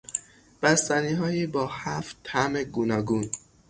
بستنیهایی با هفت طعم گوناگون